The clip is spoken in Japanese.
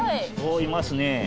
いますね。